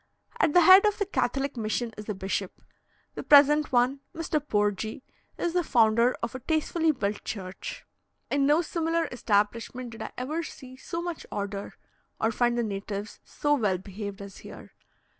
At the head of the Catholic mission is a bishop. The present one, Mr. Porgi, is the founder of a tastefully built church. In no similar establishment did I ever see so much order, or find the natives so well behaved as here.